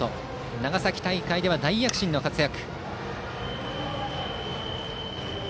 長崎大会では大躍進の活躍。